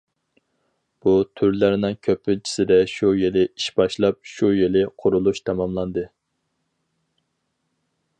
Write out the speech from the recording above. بۇ تۈرلەرنىڭ كۆپىنچىسىدە شۇ يىلى ئىش باشلاپ، شۇ يىلى قۇرۇلۇش تاماملاندى.